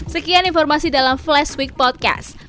sekian informasi dalam flash week podcast